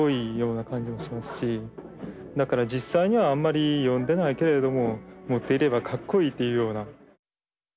だから実際にはあんまり読んでないけれども持っていればかっこいいというような。